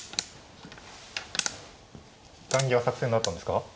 雁木は作戦だったんですか。